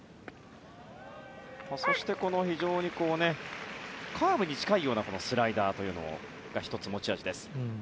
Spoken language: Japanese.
そして、カーブに近いようなスライダーが１つ、持ち味です。